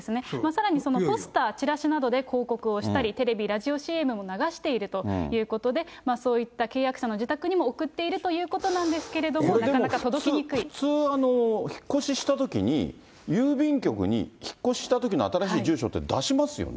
さらにポスター、チラシなどで広告をしたり、テレビ、ラジオＣＭも流しているということで、そういった契約者の自宅にも送っているということなんですけれど普通、引っ越ししたときに、郵便局に引っ越ししたときの新しい住所って出しますよね。